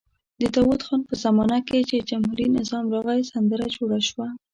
د داود خان په زمانه کې چې جمهوري نظام راغی سندره جوړه شوه.